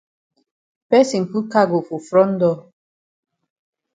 Person put cargo for front door.